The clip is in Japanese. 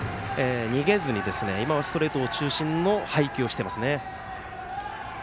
逃げずにストレート中心の配球をしています。